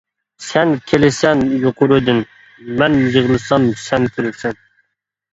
سەن كېلىسەن يۇقىرىدىن، مەن يىغلىسام سەن كۈلىسەن.